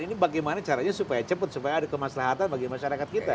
ini bagaimana caranya supaya cepat supaya ada kemaslahatan bagi masyarakat kita